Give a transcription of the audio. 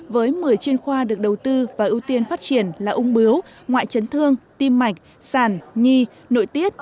với một mươi chuyên khoa được đầu tư và ưu tiên phát triển là ung bướu ngoại chấn thương tim mạch sản nhi nội tiết